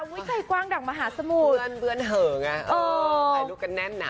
อุ้ยใจกว้างดังมหาสมุทรเบื้อนเผลอไงถ่ายรูปกันแน่นหน่ะ